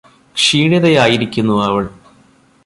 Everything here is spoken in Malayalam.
ക്ഷീണിതയായിരിക്കുന്നു അവൾ